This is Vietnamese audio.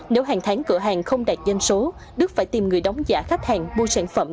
nếu hàng tháng cửa hàng không đạt danh số đức phải tìm người đóng giả khách hàng mua sản phẩm